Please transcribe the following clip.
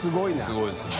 すごいですね。